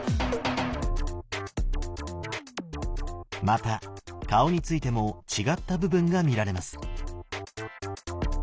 また顔についても違った部分が見られます。